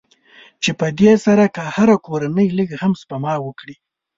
چې په دې سره که هره کورنۍ لږ هم سپما وکړي.